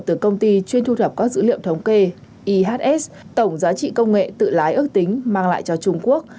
từ công ty chuyên thu thập các dữ liệu thống kê ihs tổng giá trị công nghệ tự lái ước tính mang lại cho trung quốc